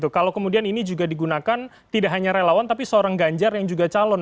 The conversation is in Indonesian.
kalau kemudian ini juga digunakan tidak hanya relawan tapi seorang ganjar yang juga calon